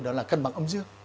đó là cân bằng âm dương